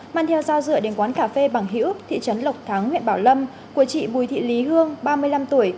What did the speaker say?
mang theo giao dựa đến quán cà phê bằng hữu thị trấn lộc thắng huyện bảo lâm của chị bùi thị lý hương ba mươi năm tuổi